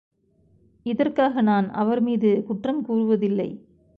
இதற்காக நான் அவர்மீது குற்றம் கூறுவதில்லை.